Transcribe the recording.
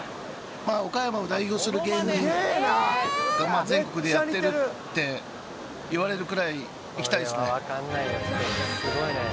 まあ岡山を代表する芸人が全国でやってるって言われるくらいいきたいですね